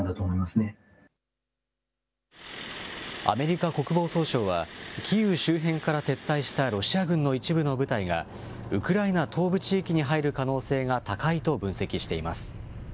アメリカ国防総省はキーウ周辺から撤退したロシア軍の一部の部隊がウクライナ東部地域に入る可能性が高いと分析しています。